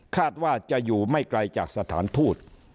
คาดว่าจะอยู่ไม่ไกลจากสถานทูต